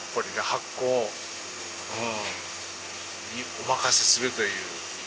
発酵にお任せするという。